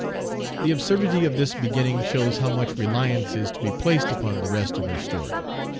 The absurdity of this beginning shows how much reliance is to be placed upon the rest of her story.